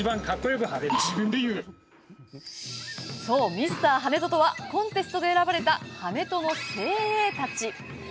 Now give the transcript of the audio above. ミスター跳人とはコンテストで選ばれた跳人の精鋭たち。